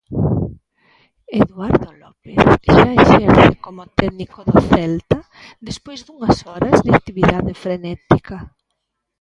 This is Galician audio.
Eduardo López xa exerce como técnico do Celta despois dunhas horas de actividade frenética.